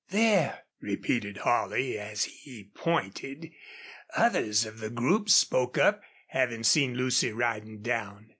"There," repeated Holly, and he pointed. Others of the group spoke up, having seen Lucy riding down.